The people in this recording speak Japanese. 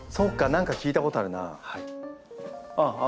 何か聞いたことあるな。